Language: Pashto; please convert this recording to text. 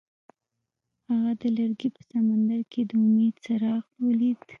هغه د لرګی په سمندر کې د امید څراغ ولید.